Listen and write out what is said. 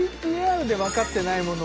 ＶＴＲで分かってないもの